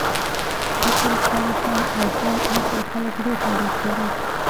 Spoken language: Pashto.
اصل خلک کم او کم اصل خلک ډېر پیدا کیږي